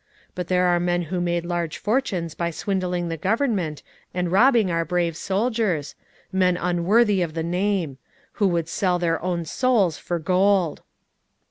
"But there are men who made large fortunes by swindling the government and robbing our brave soldiers; men unworthy of the name! who would sell their own souls for gold!"